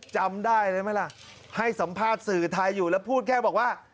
จำได้ไหมล่ะให้สัมภาษณ์สื่อไทยอยู่แล้วพูดแค่บอกว่า